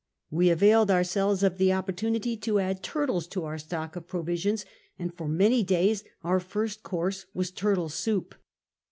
We availed ourselves of the opportunity to add turtles to our stock of provisions, and for many days our first course was turtle soup.